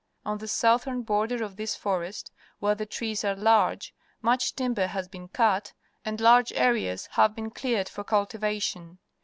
On the southern border of this forest, where the trees are large, much timber has been cut, and large areas have been cleared for cultivation.